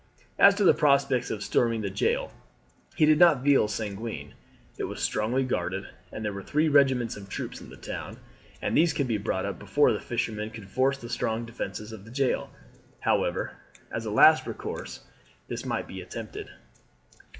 As to the prospects of storming the jail he did not feel sanguine. It was strongly guarded, and there were three regiments of troops in the town, and these could be brought up before the fishermen could force the strong defences of the jail. However, as a last resource, this might be attempted.